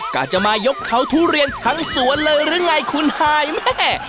จะมายกเขาทุเรียนทั้งสวนเลยหรือไงคุณฮายแม่